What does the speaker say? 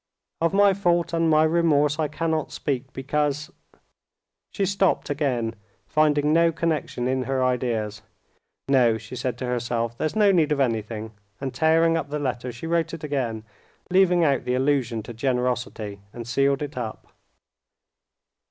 "Of my fault and my remorse I cannot speak, because...." She stopped again, finding no connection in her ideas. "No," she said to herself, "there's no need of anything," and tearing up the letter, she wrote it again, leaving out the allusion to generosity, and sealed it up.